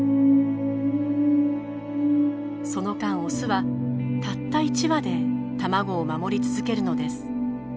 その間オスはたった１羽で卵を守り続けるのです。